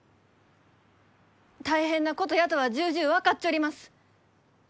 大変なことやとは重々分かっちょります。